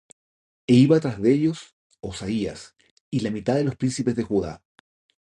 E iba tras de ellos Osaías, y la mitad de los príncipes de Judá,